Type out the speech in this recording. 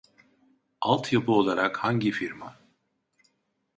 Alt yapı olarak hangi firma